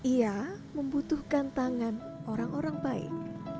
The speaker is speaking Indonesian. ia membutuhkan tangan orang orang baik